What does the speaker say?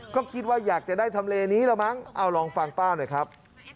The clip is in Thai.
ก็คิดว่าอยากจะได้ทำเลนี้แล้วมั้งเอาลองฟังป้าหน่อยครับ